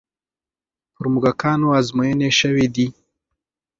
پر موږکانو ازموینې شوې دي.